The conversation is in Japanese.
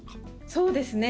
そうですね。